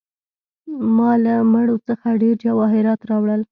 ما له مړو څخه ډیر جواهرات راوړل.